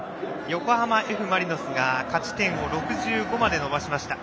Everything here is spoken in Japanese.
横浜Ｆ・マリノスが勝ち点を６５まで伸ばしました。